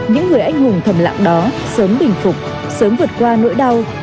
những người anh hùng thầm lặng đó sớm bình phục sớm vượt qua nỗi đau